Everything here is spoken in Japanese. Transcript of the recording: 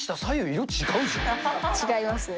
違いますね。